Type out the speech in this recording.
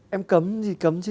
em cấm gì cấm chứ